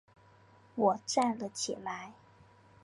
我站了起来